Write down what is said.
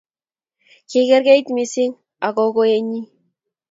kikerkeit mising ak kokoenyin